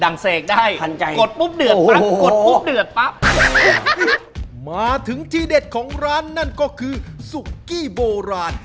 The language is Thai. นี่เลยคือทีเด็กของเราเลยครับ